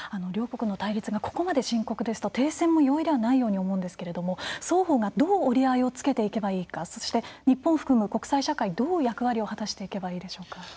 両国の対立がここまで深刻ですと停戦も容易ではないように思うんですけれども双方がどう折り合いをつけていけばいいかそして日本を含む国際社会どう役割を果たしていけばいいでしょうか？